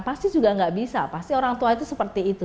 pasti juga nggak bisa pasti orang tua itu seperti itu